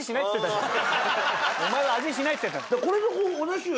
お前は「味しない」つってた。